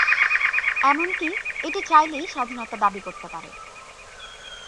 এমনকি এটি চাইলে স্বাধীনতা দাবী করতে পারে।